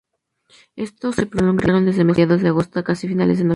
Estos se prolongaron desde mediados de agosto hasta casi finales de noviembre.